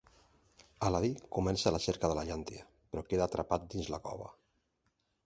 Aladí comença la cerca de la llàntia però queda atrapat dins la cova.